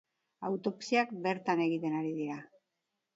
Autopsiak bertan egiten ari dira.